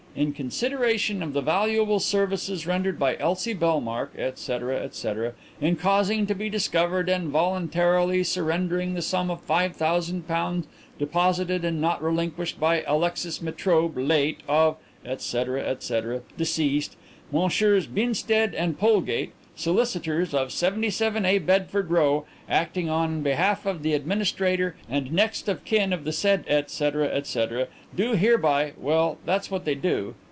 'In consideration of the valuable services rendered by Elsie Bellmark, etc., etc., in causing to be discovered and voluntarily surrendering the sum of five thousand pounds deposited and not relinquished by Alexis Metrobe, late of, etc., etc., deceased, Messrs Binstead & Polegate, solicitors, of 77a Bedford Row, acting on behalf of the administrator and next of kin of the said etc., etc., do hereby' well, that's what they do.